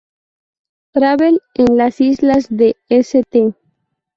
Travel en las islas de St.